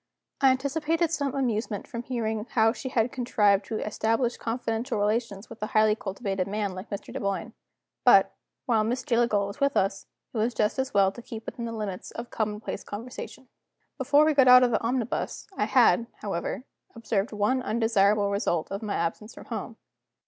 I anticipated some amusement from hearing how she had contrived to establish confidential relations with a highly cultivated man like Mr. Dunboyne. But, while Miss Jillgall was with us, it was just as well to keep within the limits of commonplace conversation. Before we got out of the omnibus I had, however, observed one undesirable result of my absence from home.